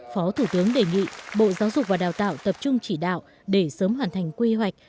phó thủ tướng đề nghị bộ giáo dục và đào tạo tập trung chỉ đạo để sớm hoàn thành quy hoạch